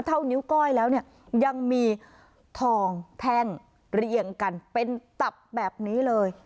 นิ้วก้อยแล้วเนี่ยยังมีทองแท่งเรียงกันเป็นตับแบบนี้เลย